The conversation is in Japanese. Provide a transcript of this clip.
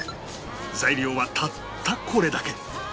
材料はたったこれだけ